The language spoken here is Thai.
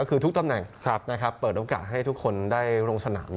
ก็คือทุกตำแหน่งเปิดโอกาสให้ทุกคนได้ลงสนาม